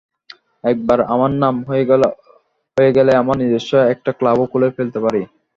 একবার আমার নাম হয়ে গেলে, আমরা নিজস্ব একটা ক্লাবও খুলে ফেলতে পারি।